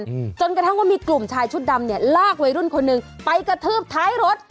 อืมจนกระทั่งว่ามีกลุ่มชายชุดดำเนี้ยลากวัยรุ่นคนหนึ่งไปกระทืบท้ายรถ